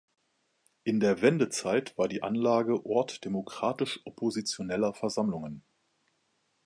In der Wendezeit war die Anlage Ort demokratisch-oppositioneller Versammlungen.